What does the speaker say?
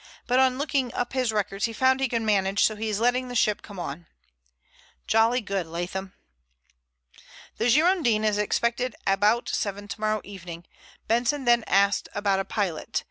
But on looking up his records he found he could manage, so he is letting the ship come on." "Jolly good, Leatham." "The Girondin is expected about seven tomorrow evening. Benson then asked about a pilot.